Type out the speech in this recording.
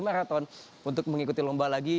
marathon untuk mengikuti lomba lagi